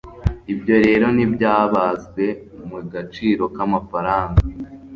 ibyo rero ntibyabazwe mu gaciro k'amafaranga